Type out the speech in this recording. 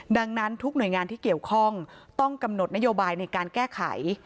ดังนั้นทุกหน่วยงานที่เกี่ยวข้องต้องกำหนดนโยบายในการแก้ไข